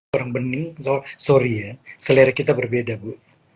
orang bening sorry ya selera kita berbeda bu